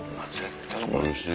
おいしい！